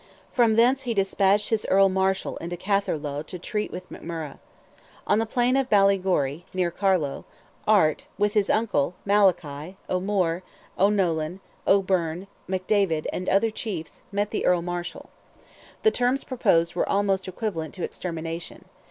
From thence he despatched his Earl Marshal into "Catherlough" to treat with McMurrogh. On the plain of Ballygorry, near Carlow, Art, with his uncle, Malachy, O'Moore, O'Nolan, O'Byrne, MacDavid, and other chiefs, met the Earl Marshal. The terms proposed were almost equivalent to extermination.